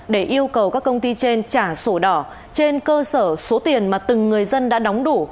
để yêu cầu các công ty trên trả sổ đỏ trên cơ sở số tiền mà từng người dân đã đóng đủ